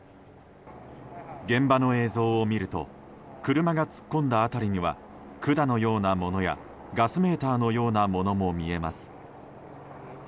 現場の映像を見ると車が突っ込んだ辺りには管のようなものやガスメーターのようなものも見えます。